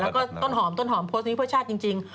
แล้วก็ต้นหอมต้นหอมโพสต์นี้เพื่อชาติจริง